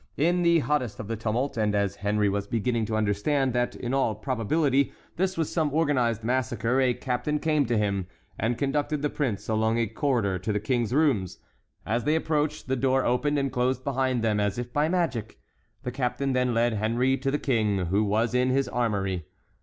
In the hottest of the tumult, and as Henry was beginning to understand that, in all probability, this was some organized massacre, a captain came to him, and conducted the prince along a corridor to the King's rooms. As they approached, the door opened and closed behind them as if by magic. The captain then led Henry to the King, who was in his armory.